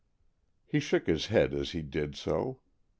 He shook his head as he did so.